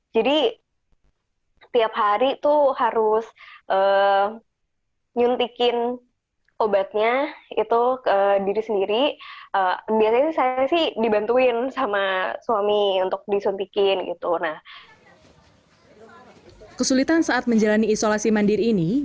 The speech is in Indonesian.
jadi tiap hari itu harus nyuntikin obatnya itu ke diri sendiri